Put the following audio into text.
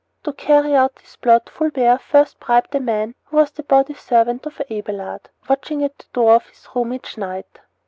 To carry out his plot Fulbert first bribed a man who was the body servant of Abelard, watching at the door of his room each night.